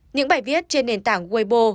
những bài viết trên nền tảng weibo